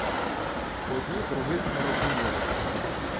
Одні других не розуміли.